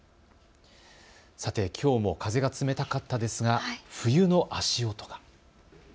きょうも風が冷たかったですが冬の足音が。